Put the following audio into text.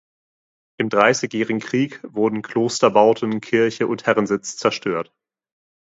Im Dreißigjährigen Krieg wurden Klosterbauten, Kirche und Herrensitz zerstört.